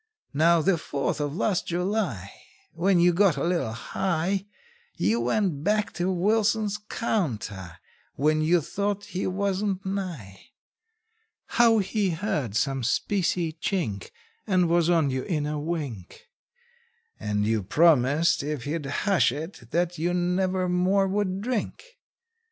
How, the Fourth of last July, When you got a little high, You went back to Wilson's counter when you thought he wasn't nigh? How he heard some specie chink, And was on you in a wink, And you promised if he'd hush it that you never more would drink?